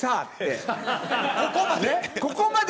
ここまで。